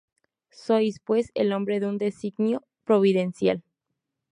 Sois pues, el hombre de un designio providencial.